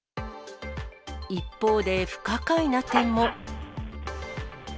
一方で、不可解な点も。